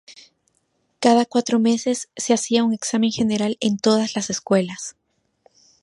Cada cuatro meses se hacía un examen general en todas las escuelas.